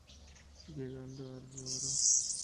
Llegando al No.